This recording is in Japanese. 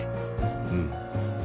うん。